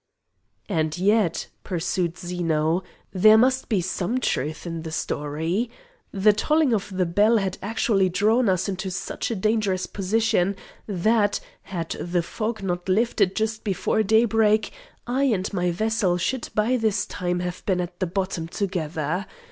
"And yet," pursued Zeno, "there must be some truth in the story. The tolling of the bell had actually drawn us into such a dangerous position that, had the fog not lifted just before daybreak, I and my vessel should by this time have been at the bottom together.